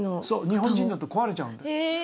そう日本人だと壊れちゃう。